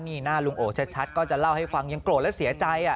นี่หน้าลุงโอชัดก็จะเล่าให้ฟังยังโกรธและเสียใจ